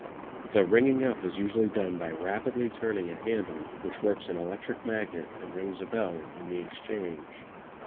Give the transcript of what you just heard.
The ringing up is usually done by rapidly turning a handle which works an electric magnet and rings a bell in the Exchange.